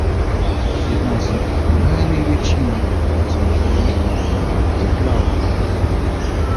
Jedná se o druhé největší nákupní centrum v Hradci Králové.